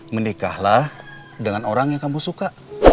menikahlah dengan orang yang kamu suka